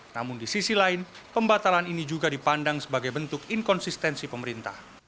namun di sisi lain pembatalan ini juga dipandang sebagai bentuk inkonsistensi pemerintah